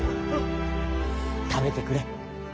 食べてくれ。